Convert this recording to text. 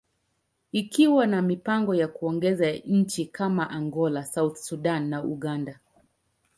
ikiwa na mipango ya kuongeza nchi kama Angola, South Sudan, and Uganda.